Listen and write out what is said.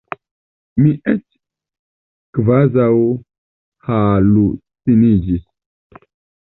Mi eĉ kvazaŭ haluciniĝis.